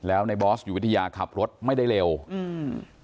แล้วในบอสอยู่วิทยาขับรถไม่ได้เร็วอืม